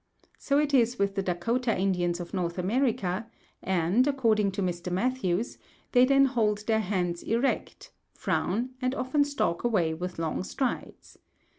So it is with the Dakota Indians of North America; and, according to Mr. Matthews, they then hold their heads erect, frown, and often stalk away with long strides.